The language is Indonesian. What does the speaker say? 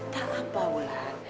tak apa wulan